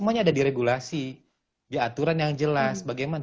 semuanya ada di regulasi di aturan yang jelas bagaimana